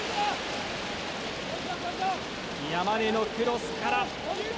山根のクロスから。